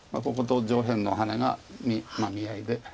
ここと上辺のハネが見合いで。